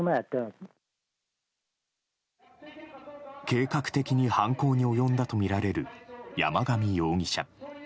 計画的に犯行に及んだとみられる山上容疑者。